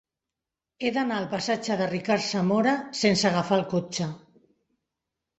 He d'anar al passatge de Ricard Zamora sense agafar el cotxe.